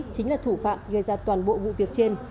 chính là thủ phạm gây ra toàn bộ vụ việc trên